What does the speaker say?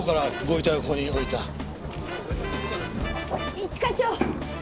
一課長！